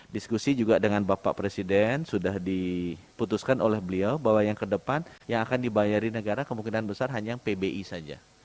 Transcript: diskusi juga dengan bapak presiden sudah diputuskan oleh beliau bahwa yang kedepan yang akan dibayari negara kemungkinan besar hanya yang pbi saja